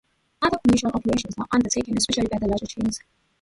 Other commercial operations are undertaken, especially by the larger chains.